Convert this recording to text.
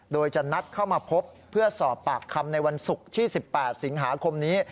โดยจะนัดเข้ามาพบเพื่อสอบปากคำในวันศุกร์ที่๑๘สิงหาคมนี้